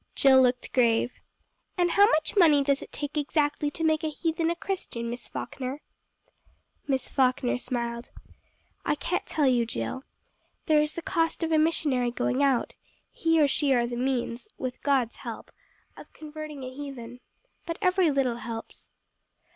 Jill looked grave. "And how much money does it take exactly to make a heathen a Christian, Miss Falkner?" Miss Falkner smiled. "I can't tell you, Jill. There is the cost of a missionary going out; he or she are the means, with God's help, of converting a heathen. But every little helps."